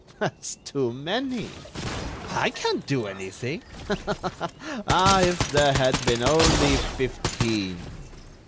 That's too many. I can't do anything. Ah! if there had been only fifteen!"